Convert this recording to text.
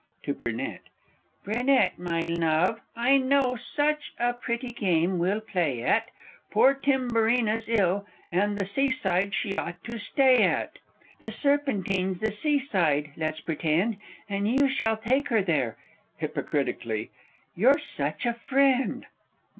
_ (To Brunette.) Brunette, my love, I know such a pretty game we'll play at Poor Timburina's ill, and the seaside she ought to stay at. (The Serpentine's the seaside, let's pretend.) And you shall take her there (hypocritically) you're such a friend!